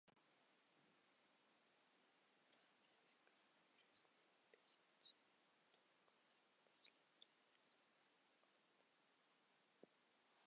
Fransiyada koronavirusning beshinchi to‘lqini boshlangani rasman e’lon qilindi